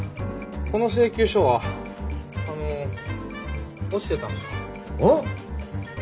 この請求書はあの落ちてたんですよ。